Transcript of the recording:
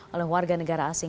oleh warga negara asing